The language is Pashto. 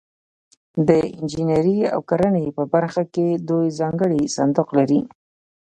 د انجنیري او کرنې په برخه کې دوی ځانګړی صندوق لري.